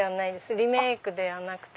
リメイクではなくて。